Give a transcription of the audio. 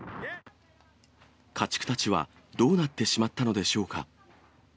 家畜たちはどうなってしまったのでしょうか。